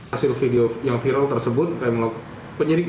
hasil video yang viral tersebut penyelidikan